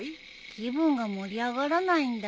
気分が盛り上がらないんだよ。